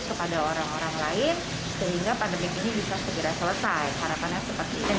kepada orang orang lain sehingga pandemi ini bisa segera selesai harapannya seperti yang